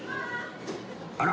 あら。